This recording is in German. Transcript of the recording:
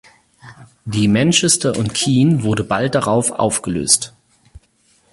Die Manchester&Keene wurde bald darauf aufgelöst.